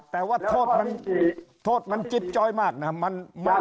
แต่ว่าโทษมันจิ้บจ้อยมากนะครับ